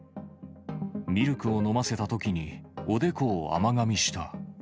ミルクを飲ませたときにおでこを甘がみした。